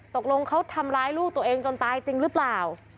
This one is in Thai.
ตกลงเขาทำร้ายลูกตัวเองจนตายจริงหรือเปล่า